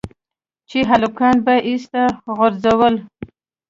چې هلکانو به ايسته غورځول.